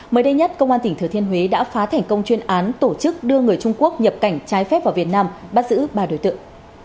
mới đây nhất công an tỉnh thừa thiên huế đã phá thành công chuyên án tổ chức đưa người trung quốc nhập cảnh trái phép vào việt nam bắt giữ ba đối tượng